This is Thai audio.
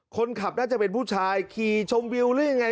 คนขับน่าจะเป็นผู้ชายขี่ชมวิวหรือยังไง